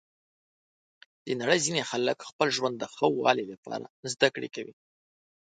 د نړۍ ځینې خلک د خپل ژوند د ښه والي لپاره زده کړه کوي.